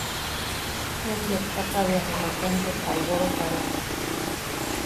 Num yepsaka bea jumak jenteta alborotaroak.